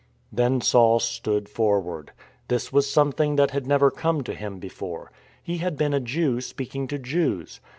Then Saul stood forward. This was something that had never come to him before. He had been a Jew speaking to Jews.